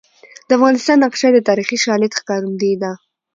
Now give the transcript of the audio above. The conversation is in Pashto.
د افغانستان نقشه د تاریخي شالید ښکارندوی ده.